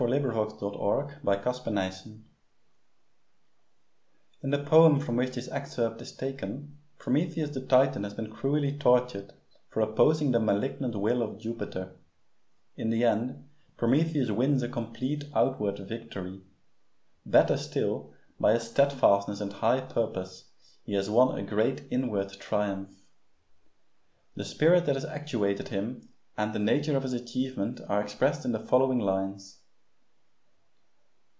Robert Burns. PROMETHEUS UNBOUND In the poem from which this excerpt is taken, Prometheus the Titan has been cruelly tortured for opposing the malignant will of Jupiter. In the end Prometheus wins a complete outward victory. Better still, by his steadfastness and high purpose he has won a great inward triumph. The spirit that has actuated him and the nature of his achievement are expressed in the following lines.